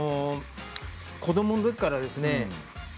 子どものときからですね。